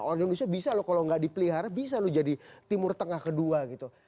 orang indonesia bisa loh kalau nggak dipelihara bisa loh jadi timur tengah kedua gitu